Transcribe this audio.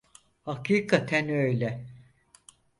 Hakikaten öyle.